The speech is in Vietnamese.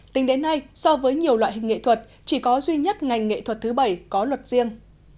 tính đến nay so với nhiều loại hình nghệ thuật chỉ có duy nhất ngành nghệ thuật thứ bảy có luật riêng